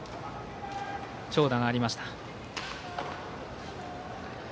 長打がありました。